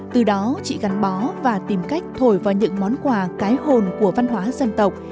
từ đó chị gắn bó và tìm cách thổi vào những món quà cái hồn của văn hóa dân tộc